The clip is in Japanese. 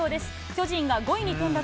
巨人が５位に転落。